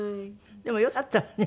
でもよかったわね。